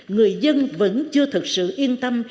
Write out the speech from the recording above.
người dân vẫn chưa thực sự yên tâm